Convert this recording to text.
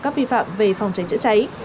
các vi phạm về phòng cháy chữa cháy